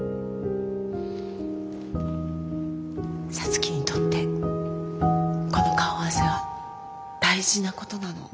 皐月にとってこの顔合わせは大事なことなの。